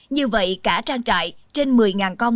như vậy cả trang trại trên một mươi con